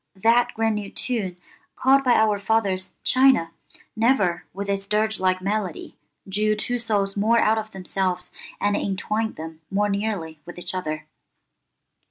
That grand old tune, called by our fathers 'China,' never, with its dirge like melody, drew two souls more out of themselves and entwined them more nearly with each other.